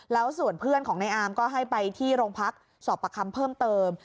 แล้วส่วนเพื่อนของในอาร์มก็ให้ไปที่โรงพักสอบประคำเพิ่มเติม